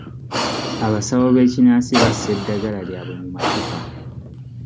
Abasawo b'ekinnansi bassa eddagala lyabwe mu macupa.